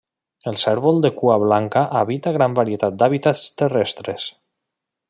El cérvol de cua blanca habita gran varietat d'hàbitats terrestres.